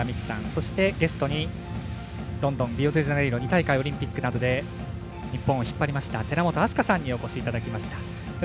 そして、ゲストにロンドン、リオデジャネイロオリンピックなどで日本を引っ張りました寺本明日香さんにお越しいただきました。